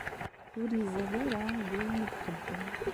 Ur izad ara deg wayen i ixeddem.